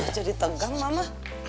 jadi tegang mama